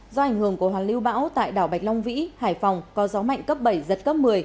do ảnh hưởng của hoàn lưu bão tại đảo bạch long vĩ hải phòng có gió mạnh cấp bảy giật cấp một mươi